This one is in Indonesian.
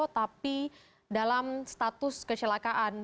tapi dalam status kecelakaan